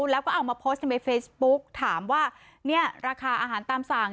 แล้วก็เอามาโพสต์ในเฟซบุ๊กถามว่าเนี่ยราคาอาหารตามสั่ง